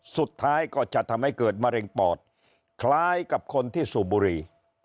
สุดท้ายก็จะทำให้เกิดมะเร็งปอดคล้ายกับคนที่สูบบุรี